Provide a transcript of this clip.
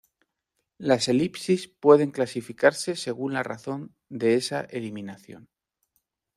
Las elipsis pueden clasificarse según la razón de esa eliminación.